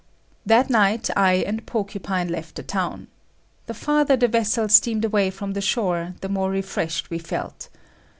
That night I and Porcupine left the town. The farther the vessel steamed away from the shore, the more refreshed we felt.